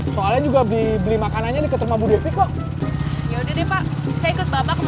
soalnya juga beli makanannya di keturma bu devi kok